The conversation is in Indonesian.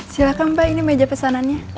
silahkan pak ini meja pesanannya